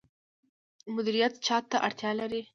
مدیریت چا ته اړتیا لري؟